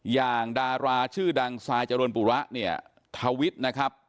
อย่างดาราชื่อดังซายเจริญปุระเนี่ยทวิตนะครับ